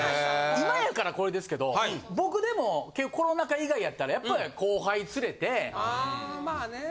今やからこれですけど僕でもコロナ禍以外やったらやっぱり。